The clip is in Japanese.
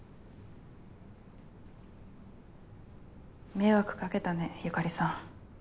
迷惑かけたね由香里さん。